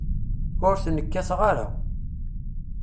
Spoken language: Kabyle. Ur ten-kkateɣ ara.